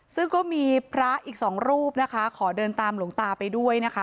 ซึ่งก็มีพระอีกสองรูปนะคะขอเดินตามหลวงตาไปด้วยนะคะ